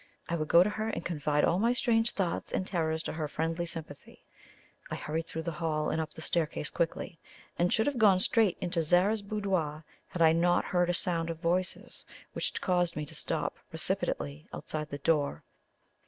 I would go to her and confide all my strange thoughts and terrors to her friendly sympathy. I hurried through the hall and up the staircase quickly, and should have gone straight into Zara's boudoir had I not heard a sound of voices which caused me to stop precipitately outside the door.